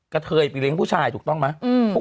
เทยไปเลี้ยงผู้ชายถูกต้องไหม